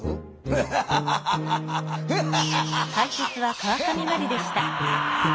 フハハハハハハハハ。